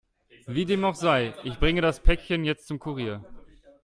Wie dem auch sei, ich bringe das Päckchen jetzt zum Kurier.